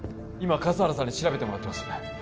今笠原さんに調べてもらってます